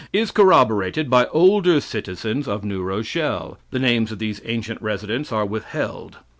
is corroborated by older citizens of New Rochelle. The names of these ancient residents are withheld.